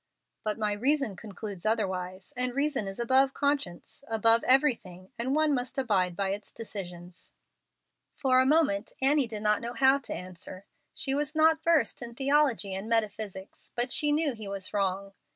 "But my reason concludes otherwise, and reason is above conscience above everything, and one must abide by its decisions." For a moment Annie did not know how to answer. She was not versed in theology and metaphysics, but she knew he was wrong.